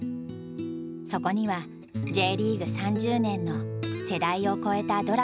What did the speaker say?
そこにはＪリーグ３０年の世代を超えたドラマがある。